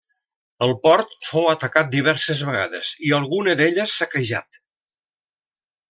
El port fou atacat diverses vegades i alguna d'elles saquejat.